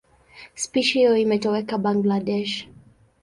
Spishi hiyo imetoweka Bangladesh.